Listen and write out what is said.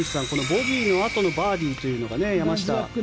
ボギーのあとのバーディーというのが山下は。